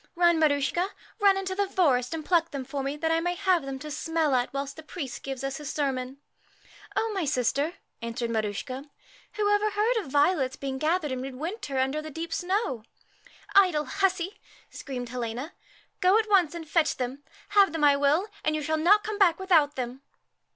Run, Maruschka, run into the forest and pluck them for me, that I may have them to smell at whilst the priest gives us his sermon.' 'Oh, my sister 1' answered Maruschka, 'who ever 63 heard of violets being gathered in midwinter, PRETTY under the deep snow ?' TT MR ' Idle hussey !' screamed Helena ;' go at once and USCHKA fetch them. Have them I will, and you shall not come back without them.'